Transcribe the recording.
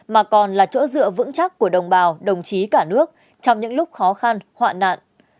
mà còn là chỗ dựa vững chắc của đồng bào đồng chí cả nước trong những lúc khó khăn hoạn nạn